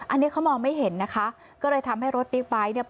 อันนี้เขามองไม่เห็นนะคะก็เลยทำให้รถบิ๊กไบท์เนี่ย